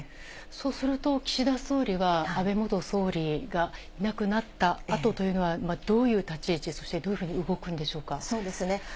そうすると、岸田総理は安倍元総理がいなくなったあとというのは、どういう立ち位置、そしてどういうふうに動くんでしょうか。